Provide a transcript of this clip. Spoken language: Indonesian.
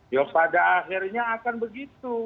ya pada akhirnya akan begitu